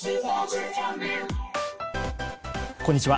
こんにちは。